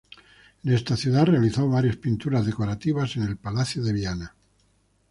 En esta ciudad realizó varias pinturas decorativas en el Palacio de Viana.